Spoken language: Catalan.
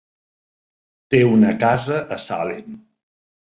Té una casa a Salem.